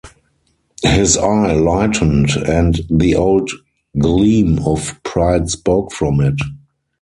His eye lightened, and the old gleam of pride spoke from it.